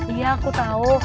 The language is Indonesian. iya aku tahu